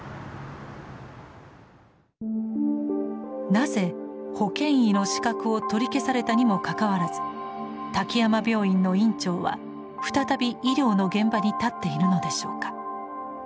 なぜ保険医の資格を取り消されたにもかかわらず滝山病院の院長は再び医療の現場に立っているのでしょうか？